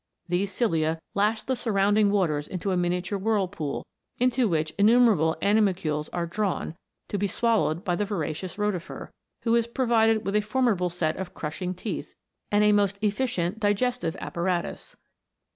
These cilia lash the surrounding waters into a miniature whirlpool, into which innu merable animalcules are drawn, to be swallowed by the voracious rotifer, who is provided with a for midable set of crushing teeth, and a most efficient digestive apparatus.